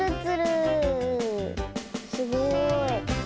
すごい。